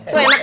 tuh enak tuh